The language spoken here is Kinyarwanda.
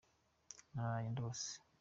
naraye ndose.